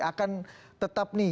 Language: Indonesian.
akan tetap nih